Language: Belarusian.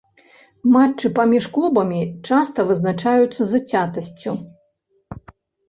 Матчы паміж клубамі часта вызначаюцца зацятасцю.